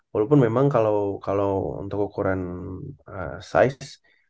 walaupun memang kalau untuk ukuran size